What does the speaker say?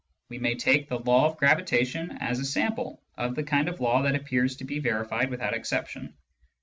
We may take the law of gravitation as a sample of the kind of law that appears to be verified without exception.